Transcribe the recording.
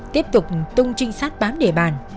tiếp tục tung trinh sát bám địa bàn